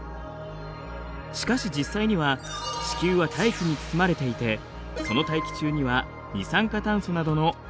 しかし実際には地球は大気に包まれていてその大気中には二酸化炭素などの温室効果ガスがあります。